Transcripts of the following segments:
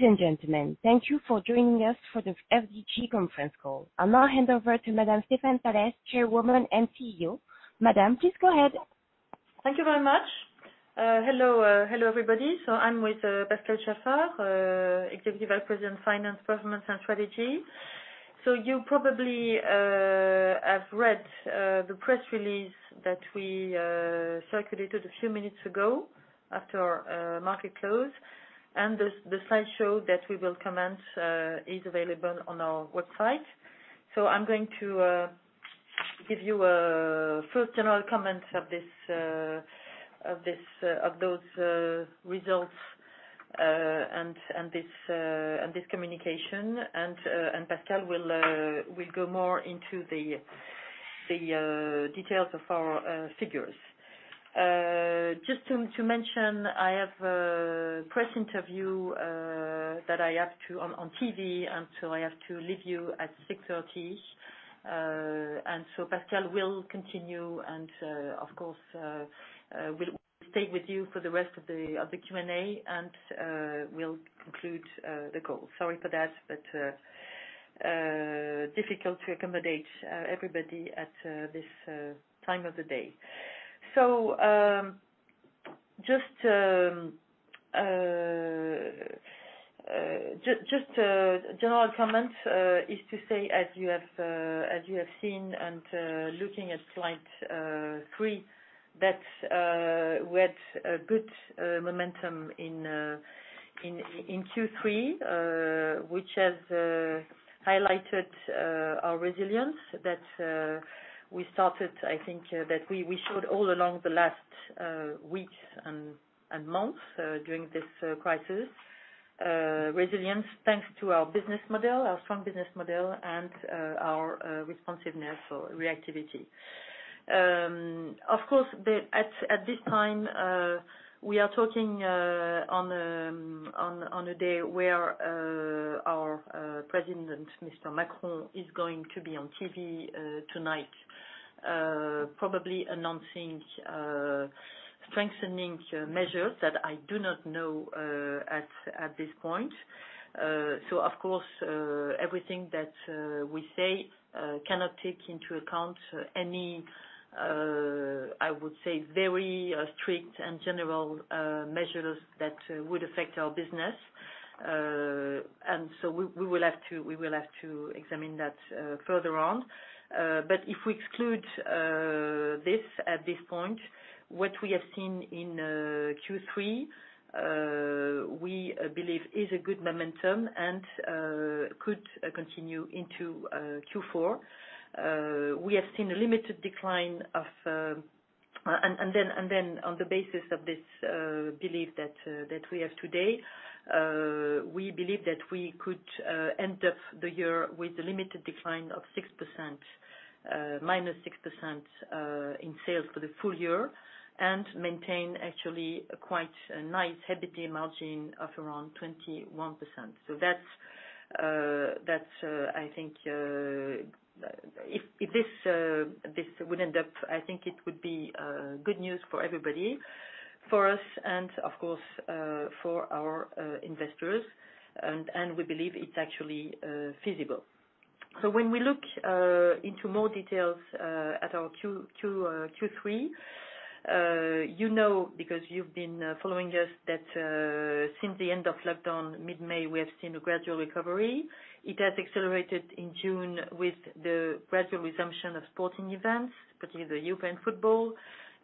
Ladies and gentlemen, thank you for joining us for the FDJ Conference Call. I'll now hand over to Madame Stéphane Pallez, Chairwoman and CEO. Madame, please go ahead. Thank you very much. Hello, everybody. I am with Pascal Chaffard, Executive Vice President, Finance, Performance, and Strategy. You probably have read the press release that we circulated a few minutes ago after market close. The slideshow that we will comment is available on our website. I am going to give you a first general comment of those results and this communication. Pascal will go more into the details of our figures. Just to mention, I have a press interview that I have to do on TV, and I have to leave you at 6:30 P.M. Pascal will continue, and of course, will stay with you for the rest of the Q&A, and will conclude the call. Sorry for that, but difficult to accommodate everybody at this time of the day. Just general comment is to say, as you have seen and looking at slide three, that we had good momentum in Q3, which has highlighted our resilience that we started, I think, that we showed all along the last weeks and months during this crisis. Resilience thanks to our business model, our strong business model, and our responsiveness or reactivity. Of course, at this time, we are talking on a day where our President, Mr. Macron, is going to be on TV tonight, probably announcing strengthening measures that I do not know at this point. Of course, everything that we say cannot take into account any, I would say, very strict and general measures that would affect our business. We will have to examine that further on. If we exclude this at this point, what we have seen in Q3, we believe, is a good momentum and could continue into Q4. We have seen a limited decline of, and then on the basis of this belief that we have today, we believe that we could end up the year with a limited decline of 6%, -6% in sales for the full year and maintain, actually, quite a nice EBITDA margin of around 21%. I think if this would end up, I think it would be good news for everybody, for us, and of course, for our investors. We believe it is actually feasible. When we look into more details at our Q3, you know, because you have been following us, since the end of lockdown, mid-May, we have seen a gradual recovery. It has accelerated in June with the gradual resumption of sporting events, particularly the European football,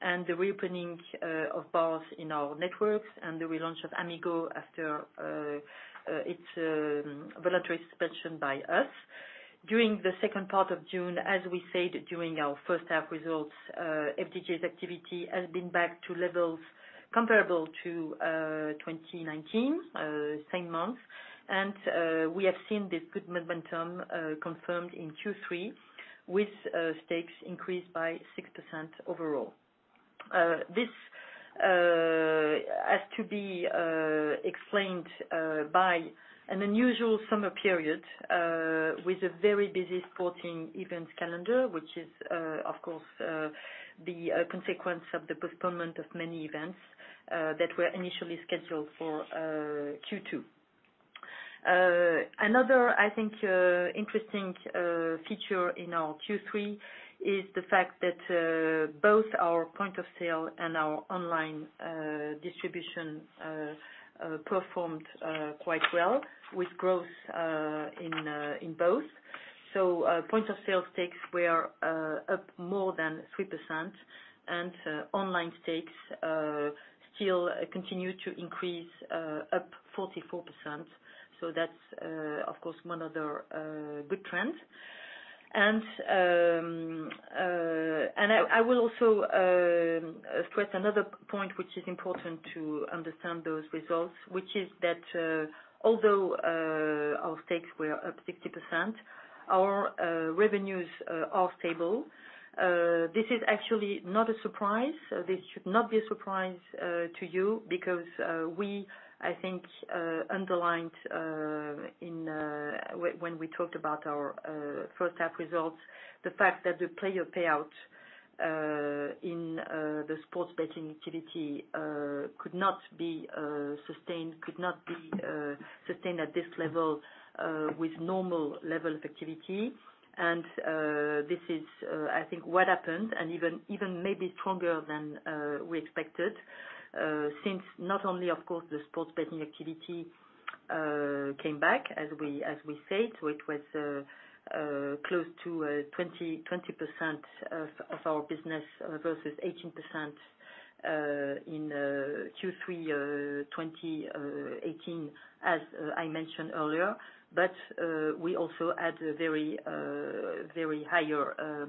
and the reopening of bars in our networks, and the relaunch of Amigo after its voluntary suspension by us. During the second part of June, as we said during our first half results, FDJ's activity has been back to levels comparable to 2019, same month. We have seen this good momentum confirmed in Q3 with stakes increased by 6% overall. This has to be explained by an unusual summer period with a very busy sporting events calendar, which is, of course, the consequence of the postponement of many events that were initially scheduled for Q2. Another, I think, interesting feature in our Q3 is the fact that both our point of sale and our online distribution performed quite well with growth in both. Point of sale stakes were up more than 3%, and online stakes still continue to increase, up 44%. That is, of course, one other good trend. I will also stress another point, which is important to understand those results, which is that although our stakes were up 60%, our revenues are stable. This is actually not a surprise. This should not be a surprise to you because we, I think, underlined when we talked about our first half results, the fact that the player payout in the sports betting activity could not be sustained, could not be sustained at this level with normal level of activity. This is, I think, what happened, and even maybe stronger than we expected, since not only, of course, the sports betting activity came back, as we said, so it was close to 20% of our business versus 18% in Q3 2018, as I mentioned earlier. We also had a very higher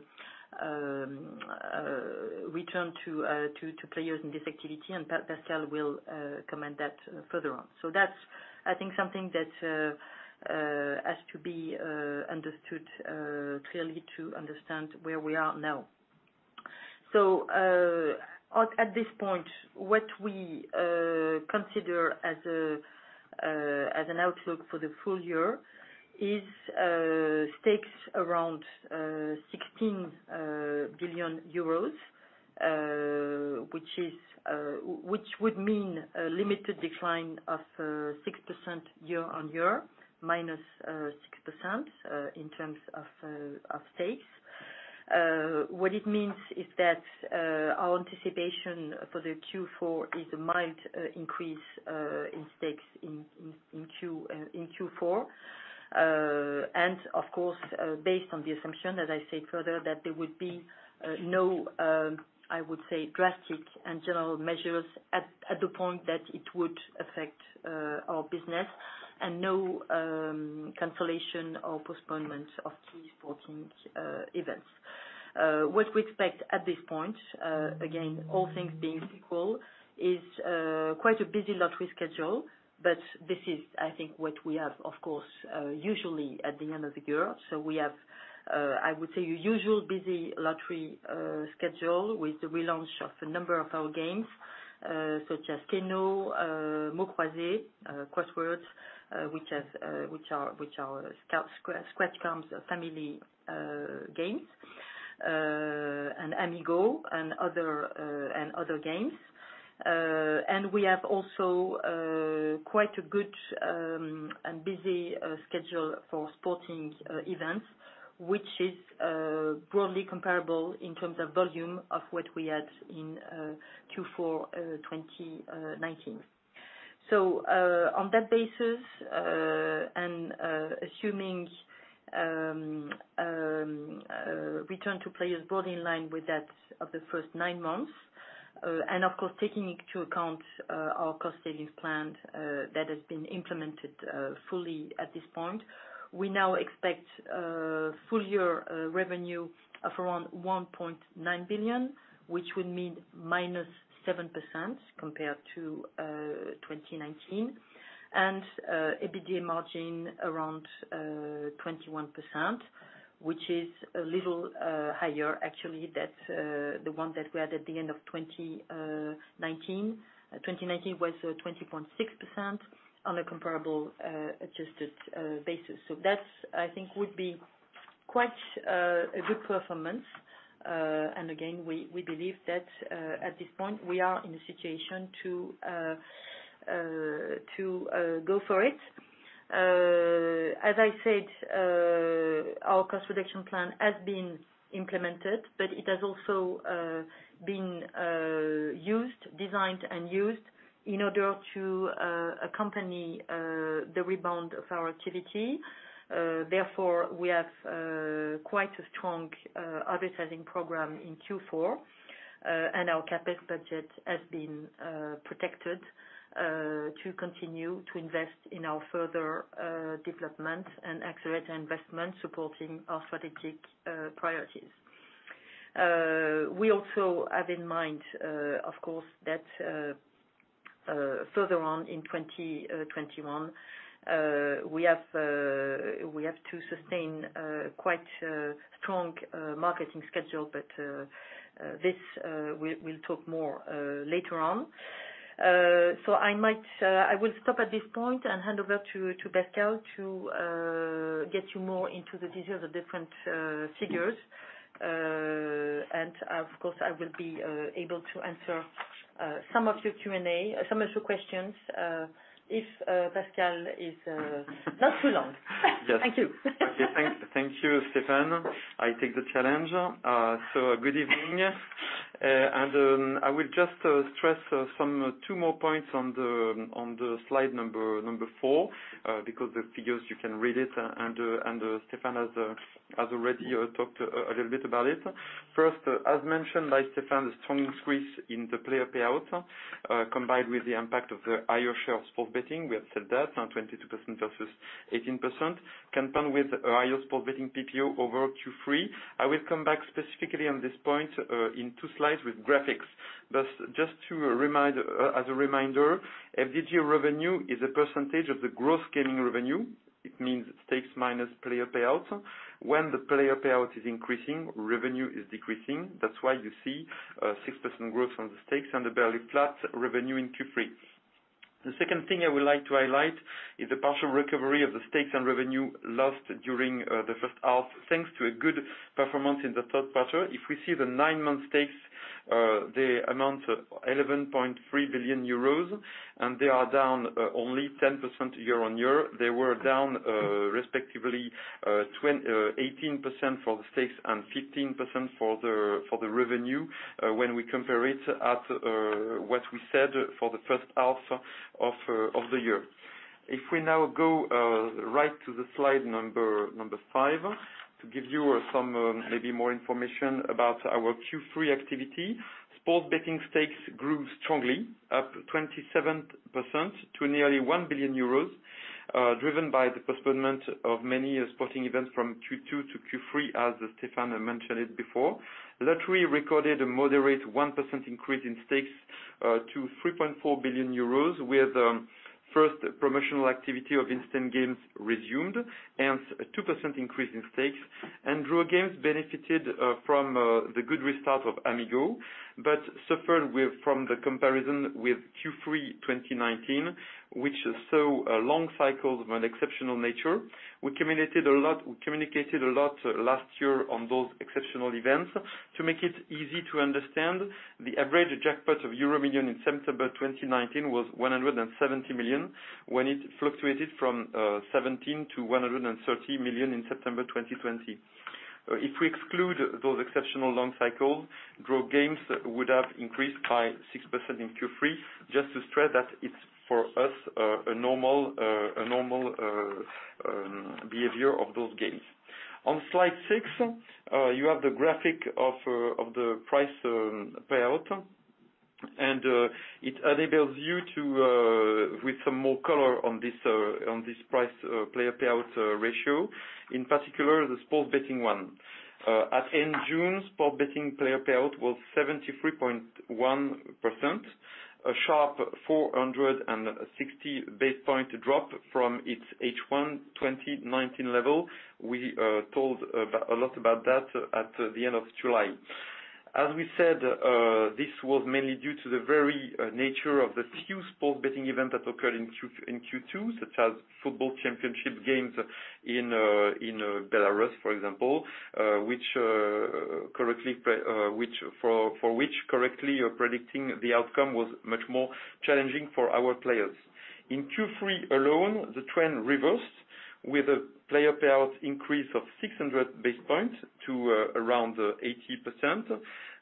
return to players in this activity, and Pascal will comment that further on. That is, I think, something that has to be understood clearly to understand where we are now. At this point, what we consider as an outlook for the full year is stakes around 16 billion euros, which would mean a limited decline of 6% year-on-year, minus 6% in terms of stakes. What it means is that our anticipation for the Q4 is a mild increase in stakes in Q4. Of course, based on the assumption, as I said further, that there would be no, I would say, drastic and general measures at the point that it would affect our business and no cancellation or postponement of key sporting events. What we expect at this point, again, all things being equal, is quite a busy lottery schedule. This is, I think, what we have, of course, usually at the end of the year. We have, I would say, a usual busy lottery schedule with the relaunch of a number of our games such as Keno, Mots Croisés, Crosswords, which are scratch cards family games, and Amigo and other games. We have also quite a good and busy schedule for sporting events, which is broadly comparable in terms of volume of what we had in Q4 2019. On that basis, and assuming return to players broadly in line with that of the first nine months, and of course, taking into account our cost savings plan that has been implemented fully at this point, we now expect full year revenue of around 1.9 billion, which would mean -7% compared to 2019, and EBITDA margin around 21%, which is a little higher, actually, than the one that we had at the end of 2019. 2019 was 20.6% on a comparable adjusted basis. That, I think, would be quite a good performance. Again, we believe that at this point, we are in a situation to go for it. As I said, our cost reduction plan has been implemented, but it has also been used, designed, and used in order to accompany the rebound of our activity. Therefore, we have quite a strong advertising program in Q4, and our CapEx budget has been protected to continue to invest in our further development and accelerate our investment supporting our strategic priorities. We also have in mind, of course, that further on in 2021, we have to sustain quite a strong marketing schedule, but this we'll talk more later on. I will stop at this point and hand over to Pascal to get you more into the details of different figures. Of course, I will be able to answer some of your Q&A, some of your questions if Pascal is not too long. Thank you. Thank you, Stéphane. I take the challenge. Good evening. I will just stress two more points on slide number four because the figures, you can read it, and Stéphane has already talked a little bit about it. First, as mentioned by Stéphane, the strong increase in the player payout combined with the impact of the higher share of sports betting, we have said that, now 22% versus 18%, can come with a higher sports betting PPO over Q3. I will come back specifically on this point in two slides with graphics. Just as a reminder, FDJ revenue is a percentage of the gross gaming revenue. It means stakes minus player payout. When the player payout is increasing, revenue is decreasing. That is why you see 6% growth on the stakes and a barely flat revenue in Q3. The second thing I would like to highlight is the partial recovery of the stakes and revenue lost during the first half thanks to a good performance in the third quarter. If we see the nine-month stakes, they amount to 11.3 billion euros, and they are down only 10% year-on-year. They were down respectively 18% for the stakes and 15% for the revenue when we compare it at what we said for the first half of the year. If we now go right to the slide number five to give you some maybe more information about our Q3 activity, sports betting stakes grew strongly, up 27% to nearly 1 billion euros, driven by the postponement of many sporting events from Q2 to Q3, as Stéphane mentioned it before. Lottery recorded a moderate 1% increase in stakes to 3.4 billion euros with first promotional activity of instant games resumed and 2% increase in stakes. Instant games benefited from the good restart of Amigo but suffered from the comparison with Q3 2019, which saw long cycles of an exceptional nature. We communicated a lot last year on those exceptional events. To make it easy to understand, the average jackpot of EuroMillions in September 2019 was 170 million when it fluctuated from 17 million to 130 million in September 2020. If we exclude those exceptional long cycles, draw games would have increased by 6% in Q3. Just to stress that it's for us a normal behavior of those games. On slide six, you have the graphic of the player payout, and it enables you to, with some more color on this player payout ratio, in particular the sports betting one. At end June, sports betting player payout was 73.1%, a sharp 460 basis point drop from its H1 2019 level. We told a lot about that at the end of July. As we said, this was mainly due to the very nature of the few sports betting events that occurred in Q2, such as football championship games in Belarus, for example, for which correctly predicting the outcome was much more challenging for our players. In Q3 alone, the trend reversed with a player payout increase of 600 basis points to around 80%.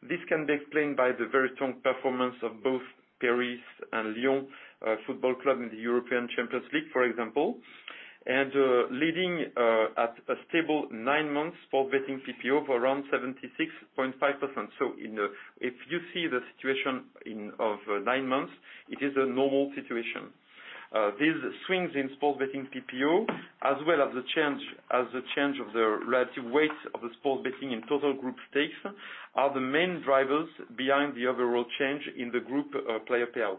This can be explained by the very strong performance of both Paris and Lyon football club in the European Champions League, for example, and leading at a stable nine-month sports betting PPO of around 76.5%. If you see the situation of nine months, it is a normal situation. These swings in sports betting PPO, as well as the change of the relative weight of the sports betting in total group stakes, are the main drivers behind the overall change in the group player payout.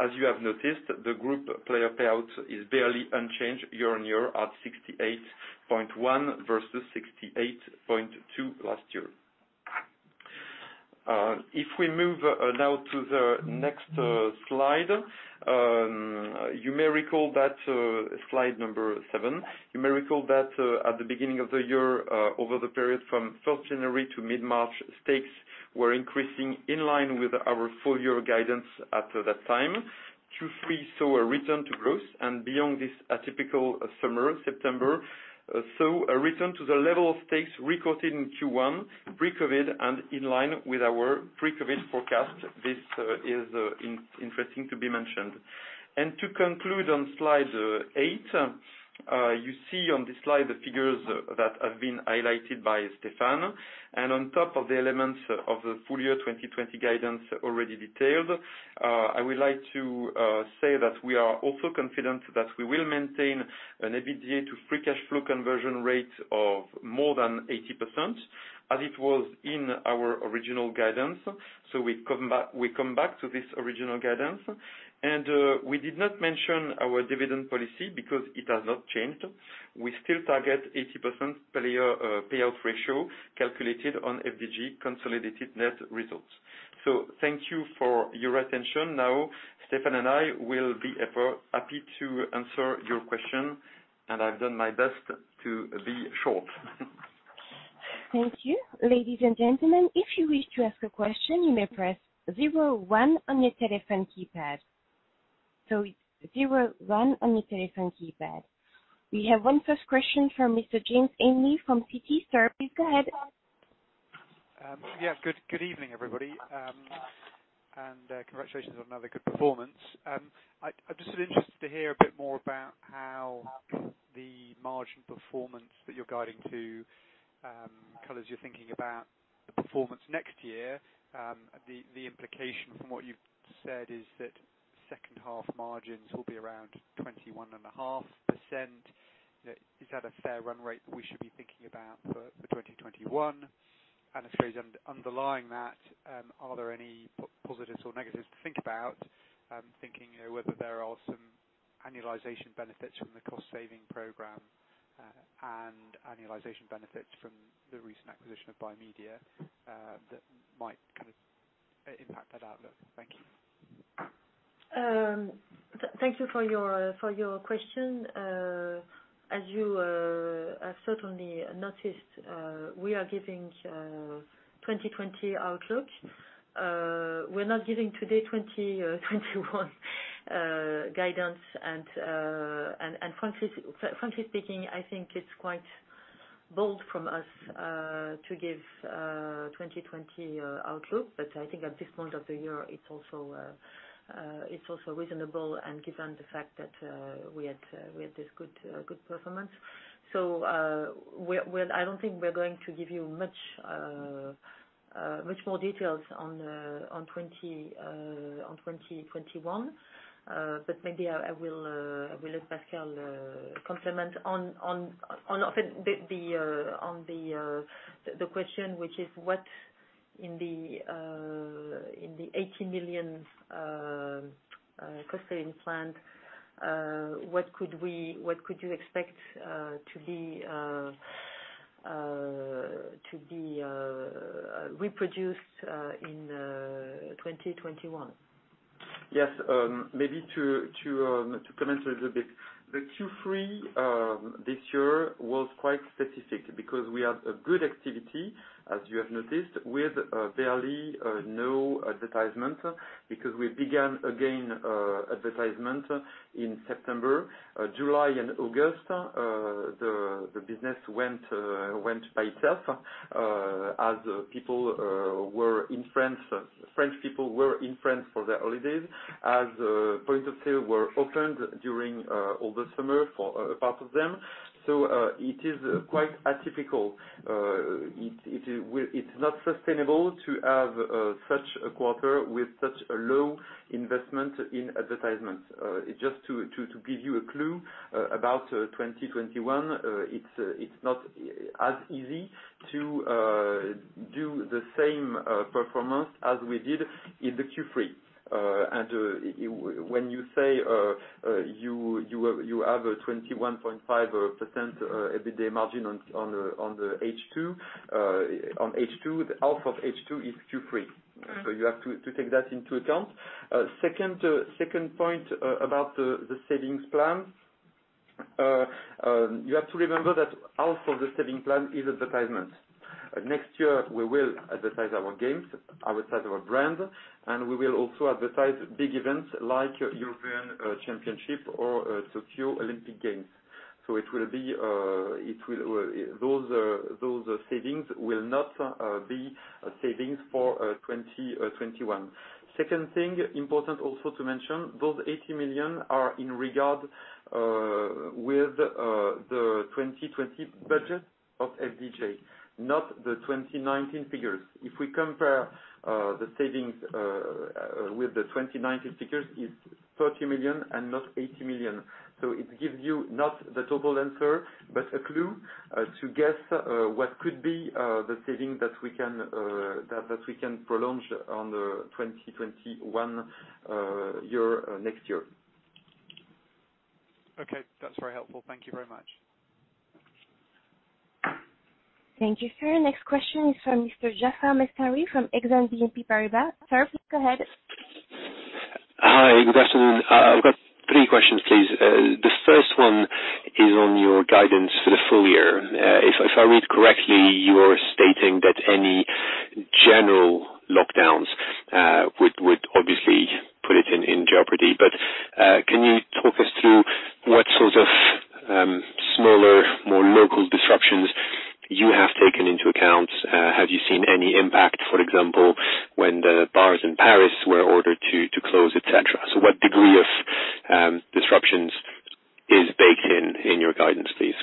As you have noticed, the group player payout is barely unchanged year-on-year at 68.1% versus 68.2% last year. If we move now to the next slide, you may recall that slide number seven. You may recall that at the beginning of the year, over the period from 1 January to mid-March, stakes were increasing in line with our full year guidance at that time. Q3 saw a return to growth, and beyond this atypical summer, September saw a return to the level of stakes recorded in Q1 pre-COVID and in line with our pre-COVID forecast. This is interesting to be mentioned. To conclude on slide eight, you see on this slide the figures that have been highlighted by Stéphane. On top of the elements of the full year 2020 guidance already detailed, I would like to say that we are also confident that we will maintain an EBITDA to free cash flow conversion rate of more than 80%, as it was in our original guidance. We come back to this original guidance. We did not mention our dividend policy because it has not changed. We still target 80% player payout ratio calculated on FDJ consolidated net results. Thank you for your attention. Now, Stéphane and I will be happy to answer your question, and I've done my best to be short. Thank you. Ladies and gentlemen, if you wish to ask a question, you may press 01 on your telephone keypad. 01 on your telephone keypad. We have one first question from Mr. James Ainley from Citi. Sir, please go ahead. Yeah. Good evening, everybody. Congratulations on another good performance. I'm just interested to hear a bit more about how the margin performance that you're guiding to colors your thinking about the performance next year. The implication from what you've said is that second-half margins will be around 21.5%. Is that a fair run rate we should be thinking about for 2021? I suppose underlying that, are there any positives or negatives to think about, thinking whether there are some annualization benefits from the cost saving program and annualization benefits from the recent acquisition of Bimedia that might kind of impact that outlook? Thank you. Thank you for your question. As you have certainly noticed, we are giving 2020 outlook. We're not giving today 2021 guidance. Frankly speaking, I think it's quite bold from us to give 2020 outlook, but I think at this point of the year, it's also reasonable and given the fact that we had this good performance. I don't think we're going to give you much more details on 2021, but maybe I will let Pascal complement on the question, which is what in the EUR 80 million cost savings plan, what could you expect to be reproduced in 2021? Yes. Maybe to comment a little bit. The Q3 this year was quite specific because we had a good activity, as you have noticed, with barely no advertisement because we began again advertisement in September. July and August, the business went by itself as people were in France. French people were in France for their holidays as point of sale were opened during all the summer for a part of them. It is quite atypical. It's not sustainable to have such a quarter with such a low investment in advertisements. Just to give you a clue about 2021, it's not as easy to do the same performance as we did in the Q3. When you say you have a 21.5% EBITDA margin on the H2, the half of H2 is Q3. You have to take that into account. Second point about the savings plan, you have to remember that half of the savings plan is advertisement. Next year, we will advertise our games, advertise our brand, and we will also advertise big events like European Championship or Tokyo Olympic Games. It will be those savings will not be savings for 2021. Second thing important also to mention, those 80 million are in regard with the 2020 budget of FDJ, not the 2019 figures. If we compare the savings with the 2019 figures, it's 30 million and not 80 million. It gives you not the total answer, but a clue to guess what could be the savings that we can prolong on the 2021 year next year. Okay. That's very helpful. Thank you very much. Thank you, sir. Next question is from Mr. Jaafar Mestari from Exane BNP Paribas. Sir, please go ahead. Hi. Good afternoon. I've got three questions, please. The first one is on your guidance for the full year. If I read correctly, you're stating that any general lockdowns would obviously put it in jeopardy. Can you talk us through what sort of smaller, more local disruptions you have taken into account? Have you seen any impact, for example, when the bars in Paris were ordered to close, etc.? What degree of disruptions is baked in your guidance, please?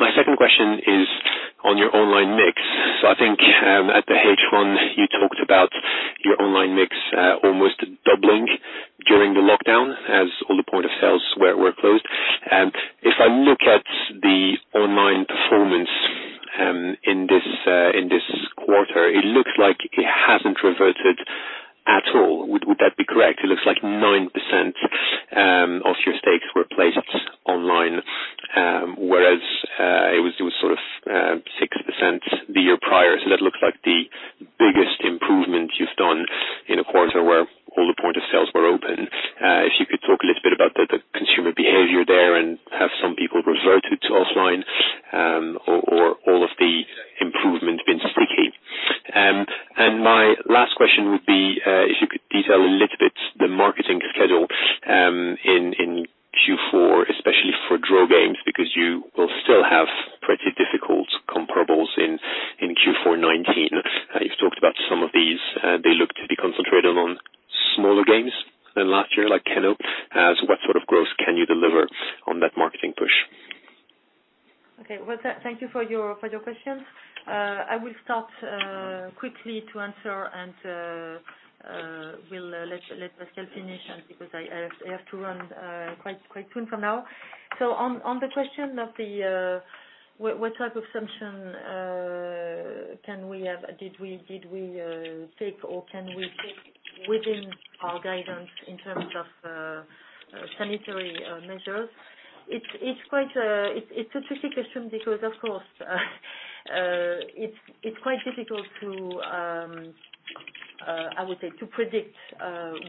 My second question is on your online mix. I think at the H1, you talked about your online mix almost doubling during the lockdown as all the point of sales were closed. If I look at the online performance in this quarter, it looks like it hasn't reverted at all. Would that be correct? It looks like 9% of your stakes were placed online, whereas it was sort of 6% the year prior. That looks like the biggest improvement you've done in a quarter where all the point of sales were open. If you could talk a little bit about the consumer behavior there and have some people reverted to offline or all of the improvements been sticky. My last question would be if you could detail a little bit the marketing schedule in Q4, especially for draw games because you will still have pretty difficult comparables in Q4 2019. You've talked about some of these. They look to be concentrated on smaller games than last year, like Keno. What sort of growth can you deliver on that marketing push? Okay. Thank you for your question. I will start quickly to answer and will let Pascal finish because I have to run quite soon from now. On the question of what type of sanction can we have, did we take or can we take within our guidance in terms of sanitary measures? It's a tricky question because, of course, it's quite difficult to, I would say, to predict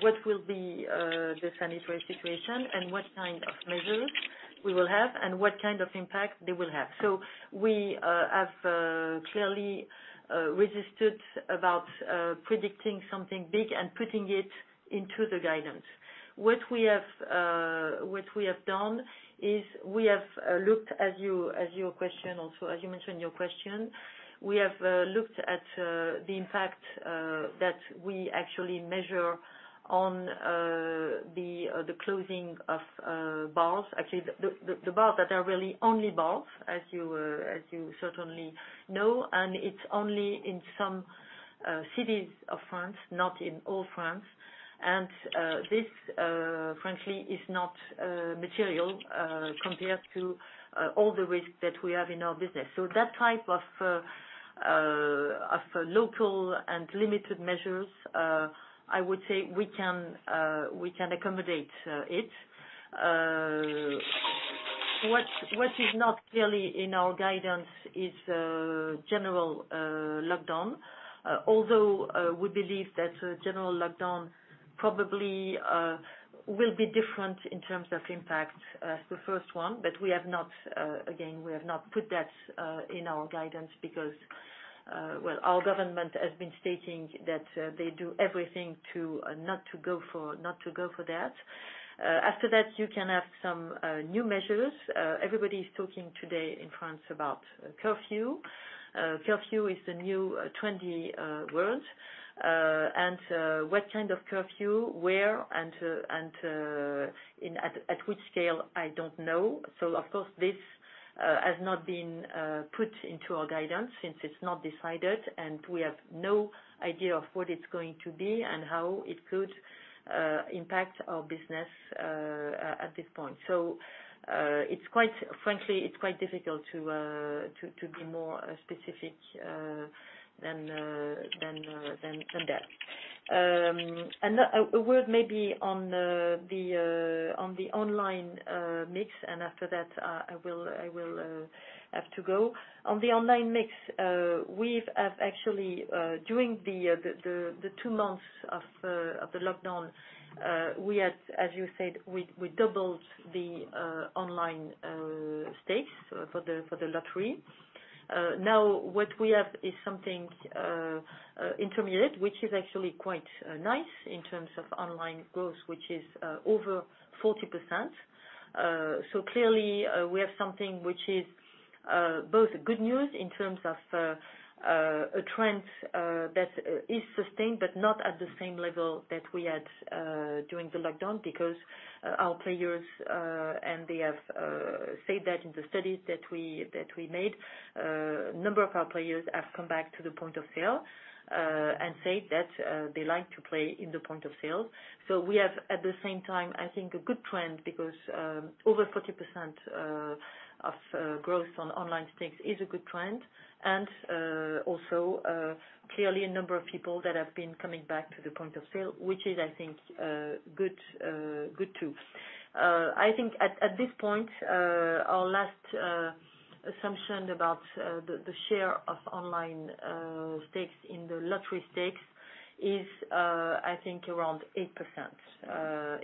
what will be the sanitary situation and what kind of measures we will have and what kind of impact they will have. We have clearly resisted about predicting something big and putting it into the guidance. What we have done is we have looked, as your question also, as you mentioned in your question, we have looked at the impact that we actually measure on the closing of bars. Actually, the bars that are really only bars, as you certainly know, and it's only in some cities of France, not in all France. This, frankly, is not material compared to all the risks that we have in our business. That type of local and limited measures, I would say we can accommodate it. What is not clearly in our guidance is general lockdown, although we believe that general lockdown probably will be different in terms of impact as the first one. We have not, again, we have not put that in our guidance because, well, our government has been stating that they do everything to not to go for that. After that, you can have some new measures. Everybody is talking today in France about curfew. Curfew is the new trendy word. What kind of curfew, where, and at which scale, I don't know. Of course, this has not been put into our guidance since it's not decided, and we have no idea of what it's going to be and how it could impact our business at this point. Frankly, it's quite difficult to be more specific than that. A word maybe on the online mix, and after that, I will have to go. On the online mix, we have actually, during the two months of the lockdown, we had, as you said, we doubled the online stakes for the lottery. Now, what we have is something intermediate, which is actually quite nice in terms of online growth, which is over 40%. Clearly, we have something which is both good news in terms of a trend that is sustained, but not at the same level that we had during the lockdown because our players, and they have said that in the studies that we made, a number of our players have come back to the point of sale and said that they like to play in the point of sale. We have, at the same time, I think, a good trend because over 40% of growth on online stakes is a good trend. Also, clearly, a number of people that have been coming back to the point of sale, which is, I think, good too. I think at this point, our last assumption about the share of online stakes in the lottery stakes is, I think, around 8%,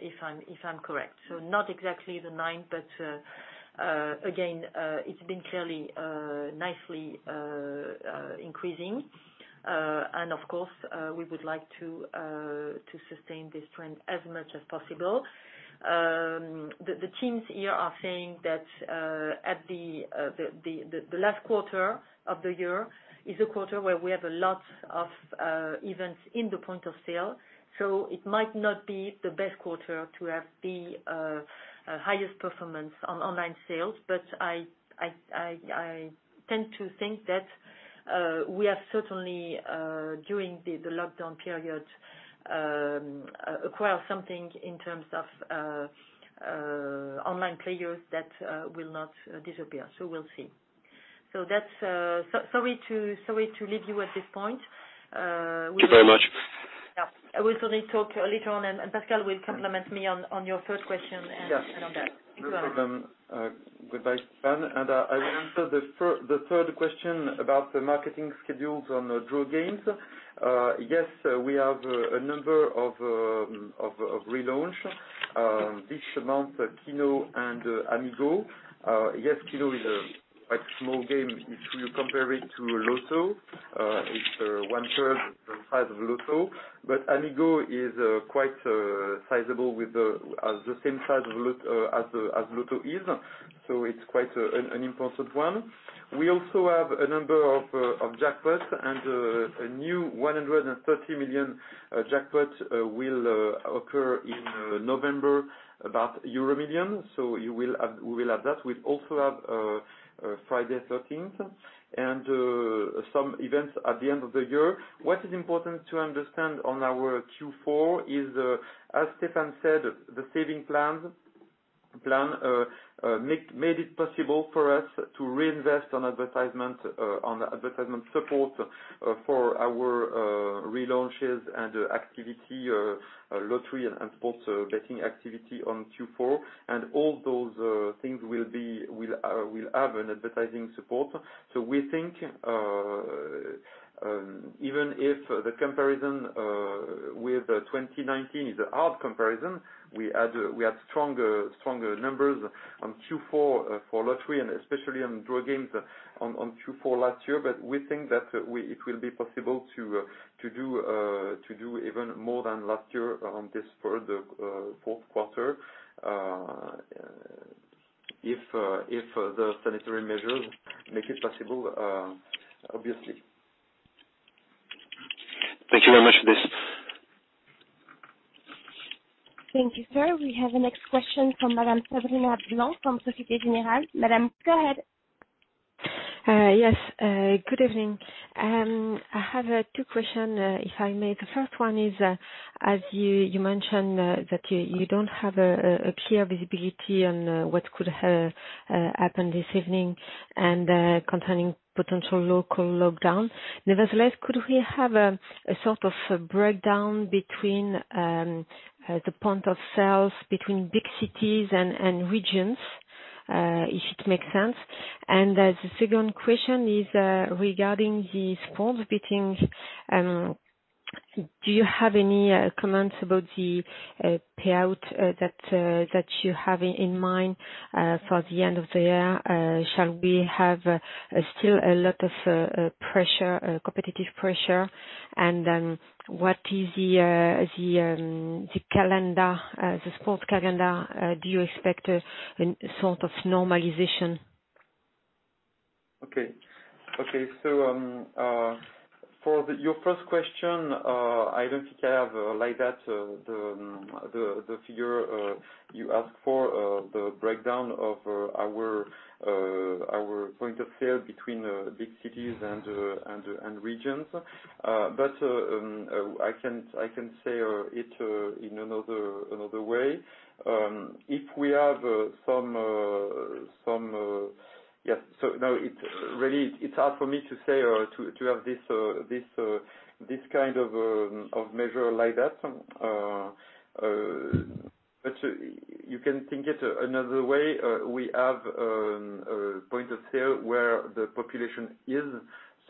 if I'm correct. Not exactly the nine, but again, it's been clearly nicely increasing. Of course, we would like to sustain this trend as much as possible. The teams here are saying that the last quarter of the year is a quarter where we have a lot of events in the point of sale. It might not be the best quarter to have the highest performance on online sales, but I tend to think that we have certainly, during the lockdown period, acquired something in terms of online players that will not disappear. We'll see. Sorry to leave you at this point. Thank you very much. I will certainly talk later on, and Pascal will complement me on your third question and on that. Thank you very much. No problem. Goodbye, Stéphane. I will answer the third question about the marketing schedules on draw games. Yes, we have a number of relaunches this month, Keno and Amigo. Yes, Keno is a quite small game if you compare it to Loto. It's one-third the size of Loto, but Amigo is quite sizable with the same size as Loto is. It is quite an important one. We also have a number of jackpots, and a new 130 million jackpot will occur in November about EuroMillions. We will have that. We also have Friday 13th and some events at the end of the year. What is important to understand on our Q4 is, as Stéphane said, the saving plan made it possible for us to reinvest on advertisement support for our relaunches and activity, lottery and sports betting activity on Q4. All those things will have an advertising support. We think even if the comparison with 2019 is a hard comparison, we had stronger numbers on Q4 for lottery and especially on draw games on Q4 last year. We think that it will be possible to do even more than last year on this fourth quarter if the sanitary measures make it possible, obviously. Thank you very much for this. Thank you, sir. We have a next question from Madame Sabrina Blanc from Société Générale. Madame, go ahead. Yes. Good evening. I have two questions, if I may. The first one is, as you mentioned, that you don't have a clear visibility on what could happen this evening and concerning potential local lockdown. Nevertheless, could we have a sort of breakdown between the point of sales between big cities and regions, if it makes sense? The second question is regarding the sports betting. Do you have any comments about the payout that you have in mind for the end of the year? Shall we have still a lot of pressure, competitive pressure? What is the sports calendar? Do you expect a sort of normalization? Okay. Okay. For your first question, I don't think I have the figure you asked for, the breakdown of our point of sale between big cities and regions. I can say it in another way. If we have some, yes. Now, it's hard for me to say to have this kind of measure like that. You can think it another way. We have a point of sale where the population is.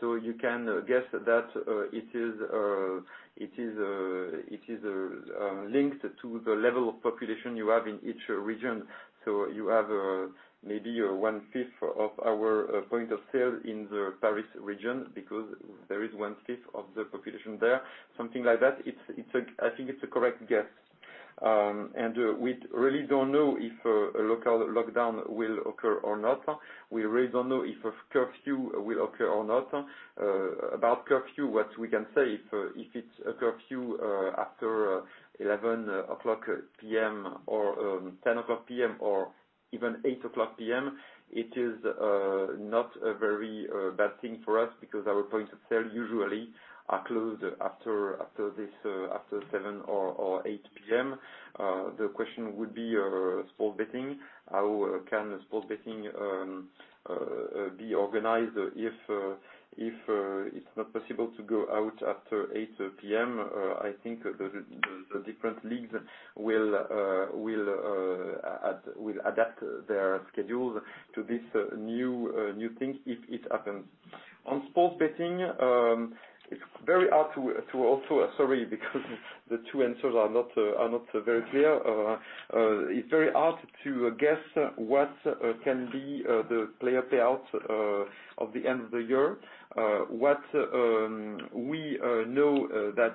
You can guess that it is linked to the level of population you have in each region. You have maybe one-fifth of our point of sale in the Paris region because there is one-fifth of the population there, something like that. I think it's a correct guess. We really don't know if a local lockdown will occur or not. We really don't know if a curfew will occur or not. About curfew, what we can say, if it's a curfew after 11:00 P.M. or 10:00 P.M. or even 8:00 P.M., it is not a very bad thing for us because our point of sale usually are closed after 7:00 or 8:00 P.M. The question would be sports betting. How can sports betting be organized if it's not possible to go out after 8:00 P.M.? I think the different leagues will adapt their schedules to this new thing if it happens. On sports betting, it's very hard to also sorry because the two answers are not very clear. It's very hard to guess what can be the player payouts of the end of the year. What we know that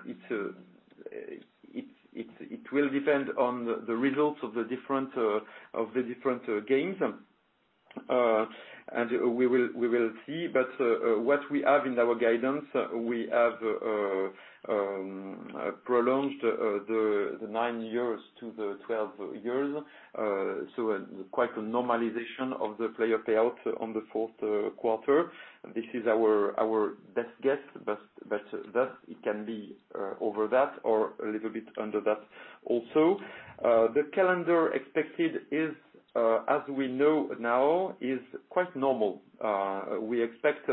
it will depend on the results of the different games. We will see. What we have in our guidance, we have prolonged the nine years to the 12 years. Quite a normalization of the player payouts on the fourth quarter. This is our best guess, but it can be over that or a little bit under that also. The calendar expected is, as we know now, quite normal. We expect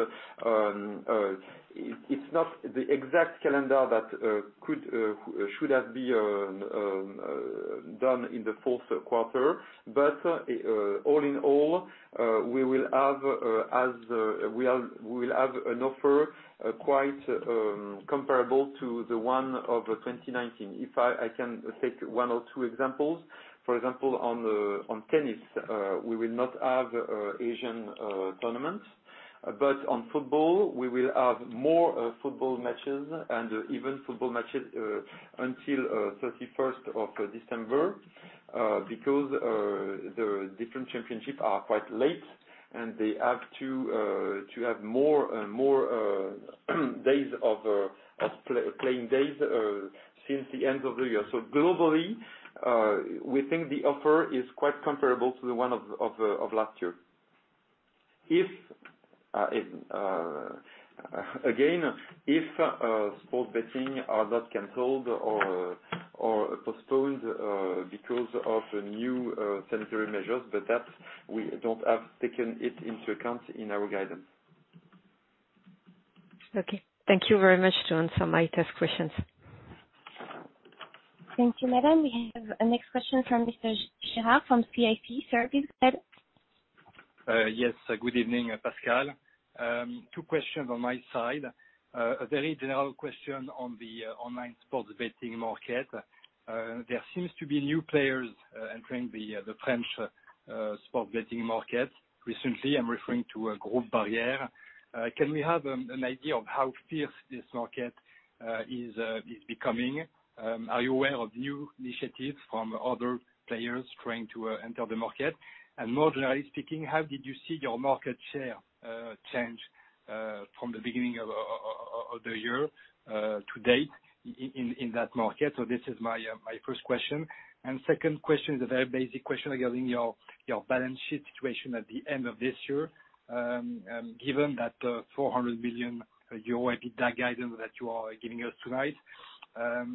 it's not the exact calendar that should have been done in the fourth quarter. All in all, we will have as we will have an offer quite comparable to the one of 2019. If I can take one or two examples, for example, on tennis, we will not have Asian tournaments. On football, we will have more football matches and even football matches until 31st of December because the different championships are quite late, and they have to have more days of playing days since the end of the year. Globally, we think the offer is quite comparable to the one of last year. Again, if sports betting are not canceled or postponed because of new sanitary measures, but that we do not have taken it into account in our guidance. Okay. Thank you very much to answer my test questions. Thank you, Madame. We have a next question from Mr. Gérard from CIC. Sir, please? Yes. Good evening, Pascal. Two questions on my side. A very general question on the online sports betting market. There seems to be new players entering the French sports betting market recently. I'm referring to Groupe Barrière. Can we have an idea of how fierce this market is becoming? Are you aware of new initiatives from other players trying to enter the market? More generally speaking, how did you see your market share change from the beginning of the year to date in that market? This is my first question. Second question is a very basic question regarding your balance sheet situation at the end of this year. Given that 400 million euro EBITDA guidance that you are giving us tonight,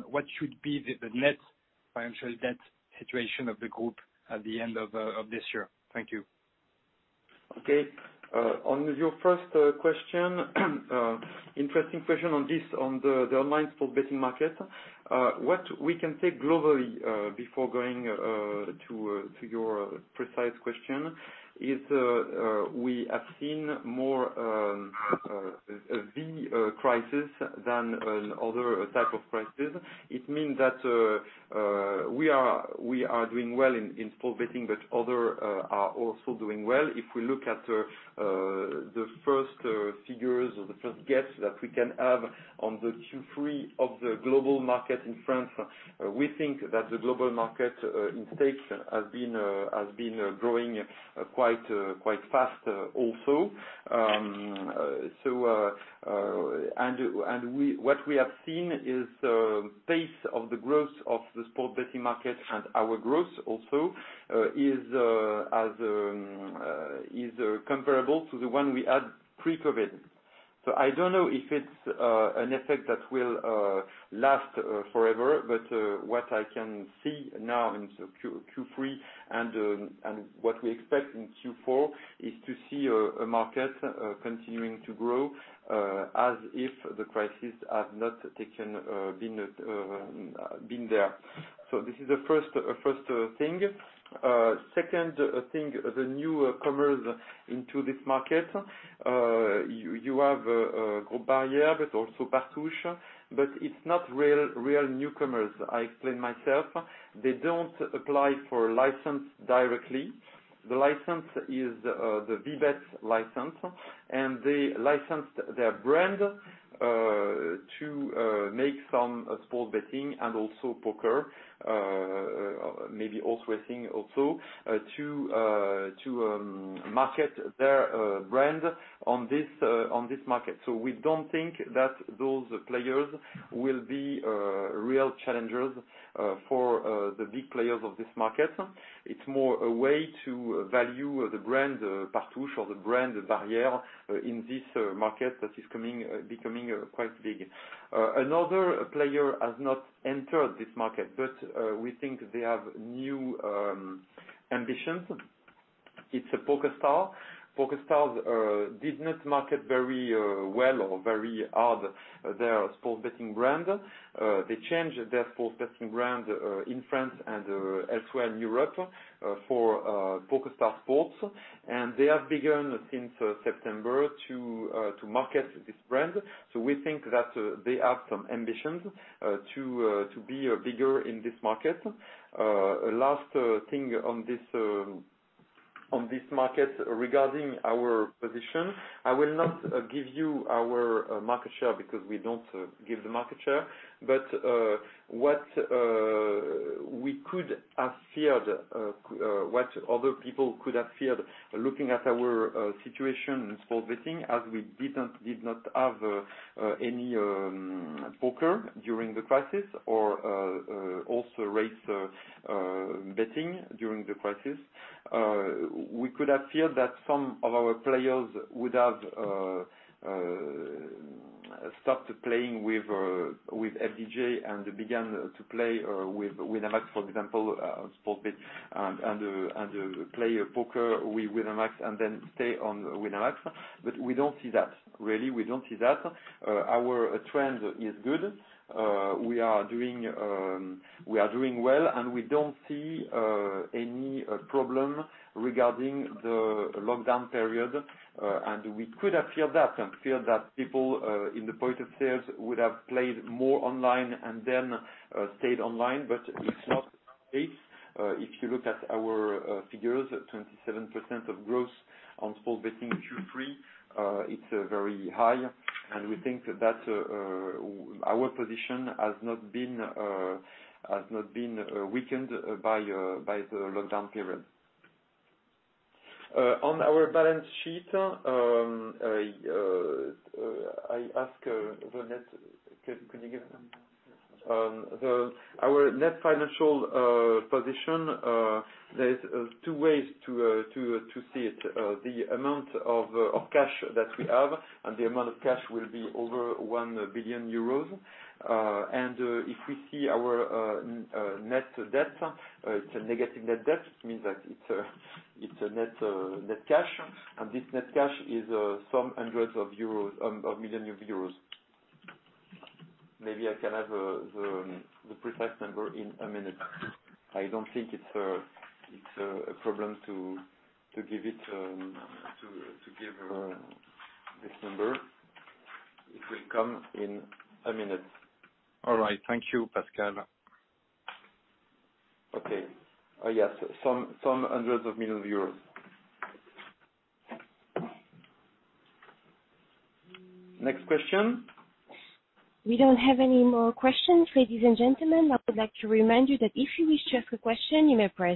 what should be the net financial debt situation of the group at the end of this year? Thank you. Okay. On your first question, interesting question on this, on the online sports betting market. What we can say globally before going to your precise question is we have seen more of the crisis than other types of crisis. It means that we are doing well in sports betting, but others are also doing well. If we look at the first figures or the first guess that we can have on the Q3 of the global market in France, we think that the global market in stakes has been growing quite fast also. What we have seen is the pace of the growth of the sports betting market and our growth also is comparable to the one we had pre-COVID. I don't know if it's an effect that will last forever, but what I can see now in Q3 and what we expect in Q4 is to see a market continuing to grow as if the crisis has not been there. This is the first thing. Second thing, the newcomers into this market. You have Groupe Barrière, but also Partouche, but it's not real newcomers. I explain myself. They don't apply for license directly. The license is the Vbet license, and they licensed their brand to make some sports betting and also poker, maybe horse racing also, to market their brand on this market. We don't think that those players will be real challengers for the big players of this market. It's more a way to value the brand Partouche or the brand Barrière in this market that is becoming quite big. Another player has not entered this market, but we think they have new ambitions. It's PokerStars. PokerStars business market very well or very hard their sports betting brand. They changed their sports betting brand in France and elsewhere in Europe for PokerStars Sports. They have begun since September to market this brand. We think that they have some ambitions to be bigger in this market. Last thing on this market regarding our position, I will not give you our market share because we don't give the market share. What we could have feared, what other people could have feared looking at our situation in sports betting as we did not have any poker during the crisis or also race betting during the crisis. We could have feared that some of our players would have stopped playing with FDJ and began to play with Winamax, for example, sports bet, and play poker with Winamax and then stay on Winamax. Really, we do not see that. Our trend is good. We are doing well, and we do not see any problem regarding the lockdown period. We could have feared that people in the point of sales would have played more online and then stayed online. It is not the case. If you look at our figures, 27% of growth on sports betting Q3, it is very high. We think that our position has not been weakened by the lockdown period. On our balance sheet, I asked Janet, could you give me our net financial position? There are two ways to see it. The amount of cash that we have and the amount of cash will be over 1 billion euros. If we see our net debt, it's a negative net debt. It means that it's net cash. This net cash is some hundreds of million euros. Maybe I can have the precise number in a minute. I don't think it's a problem to give this number. It will come in a minute. All right. Thank you, Pascal. Okay. Yes. Some hundreds of million euros. Next question? We don't have any more questions, ladies and gentlemen. I would like to remind you that if you wish to ask a question, you may press.